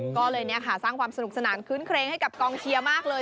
ก็เลยสร้างความสนุกสนานคื้นเครงให้กับกองเชียร์มากเลย